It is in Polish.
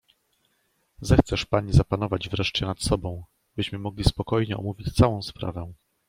"Zechcesz pani zapanować wreszcie nad sobą, byśmy mogli spokojnie omówić całą sprawę."